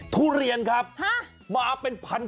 ทุเรียนครับมาเป็นพัน